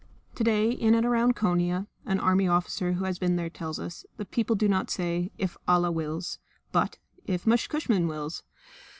To day, in and around Konia (an Army officer who has been there tells us), the people do not say, "If Allah wills," but "If Miss Cushman wills!"